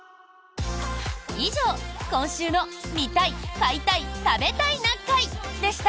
以上、今週の「見たい買いたい食べたいな会」でした！